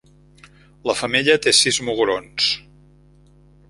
La femella té sis mugrons.